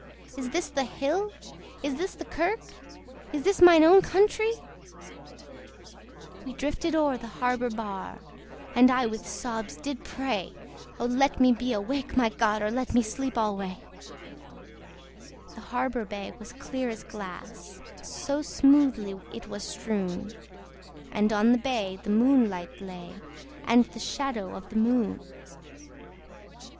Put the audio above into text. Is this the hill? is this the kirk? Is this mine own countree! We drifted o'er the harbour bar, And I with sobs did pray O let me be awake, my God! Or let me sleep alway. The harbour bay was clear as glass, So smoothly it was strewn! And on the bay the moonlight lay, And the shadow of the moon.